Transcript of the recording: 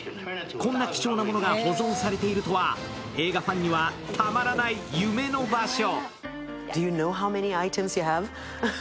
こんな貴重なものが保存されているとは映画ファンにはたまらない場所。